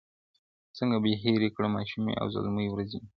• څنګه به هیری کړم ماشومي او زلمۍ ورځي مي -